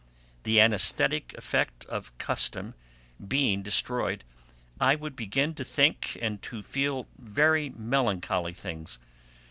The anaesthetic effect of custom being destroyed, I would begin to think and to feel very melancholy things.